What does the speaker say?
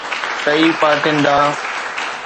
ٽئين پارٽي ڏانهن.